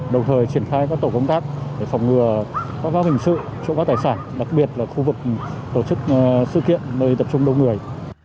đồng thời triển khai các tổ công tác để phòng ngừa các pháp hình sự chỗ có tài sản đặc biệt là khu vực tổ chức sự kiện nơi tập trung đông người